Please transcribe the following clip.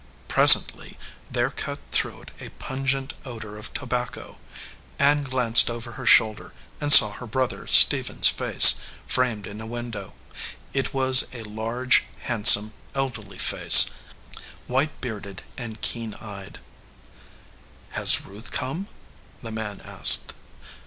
Presently there cut through it a pungent odor of tobacco. Ann glanced over her shoulder and saw her brother Stephen s 261 EDGEWATER PEOPLE face framed in a window. It was a large, hand some, elderly face, white bearded and keen eyed. "Has Ruth come?" the man asked.